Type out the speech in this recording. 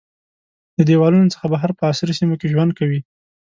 د دیوالونو څخه بهر په عصري سیمو کې ژوند کوي.